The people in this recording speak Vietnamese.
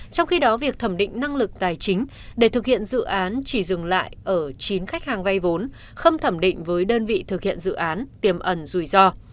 trong khi đó việc thẩm định năng lực tài chính để thực hiện dự án chỉ dừng lại ở chín khách hàng vay vốn không thẩm định với đơn vị thực hiện dự án tiềm ẩn rủi ro